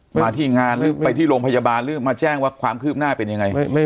มาที่งานหรือไปที่โรงพยาบาลหรือมาแจ้งว่าความคืบหน้าเป็นยังไง